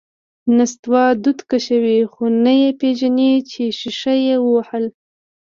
نستوه دود کشوي، خو نه یې پېژني چې شیشه یې ووهله…